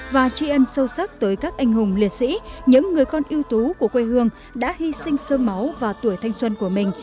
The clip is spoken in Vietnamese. và tri ân sâu sắc tới các anh hùng liệt sĩ những người con ưu tú của quê hương đã hy sinh sương máu và tuổi thanh xuân của mình